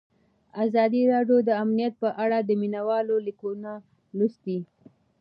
ازادي راډیو د امنیت په اړه د مینه والو لیکونه لوستي.